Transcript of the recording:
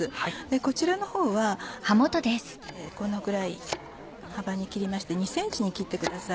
こちらのほうはこのくらい幅に切りまして２ｃｍに切ってください。